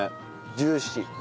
ジューシー。